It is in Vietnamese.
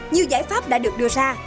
như giải pháp đã được đưa ra